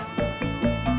abang di pecat